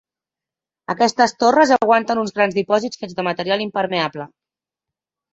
Aquestes torres aguanten uns grans dipòsits fets de material impermeable.